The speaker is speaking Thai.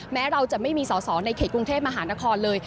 แม้เราจะไม่มีสอสอในเขตกรุงเทพมหานครเลย